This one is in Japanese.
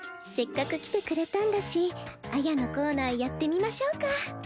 せっかく来てくれたんだし絢のコーナーやってみましょうか。